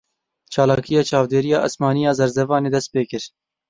Çalakiya Çavdêriya Esmanî ya Zerzevanê dest pê kir.